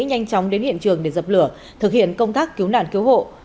nhanh chóng đến hiện trường để dập lửa thực hiện công tác cứu nạn cứu hộ